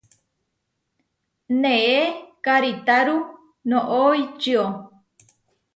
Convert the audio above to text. Neé karitáru noʼó ičió.